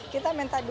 kita minta dukungan